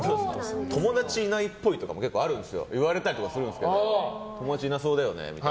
友達いないっぽいとかも結構言われたりとかするんですけど友達いなそうだよねって。